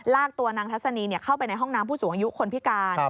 ลากตัวนางทัศนีเข้าไปในห้องน้ำผู้สูงอายุคนพิการ